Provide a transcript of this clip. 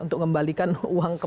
untuk mengembalikan uang